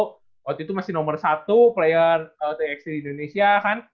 waktu itu masih nomor satu player ltext di indonesia kan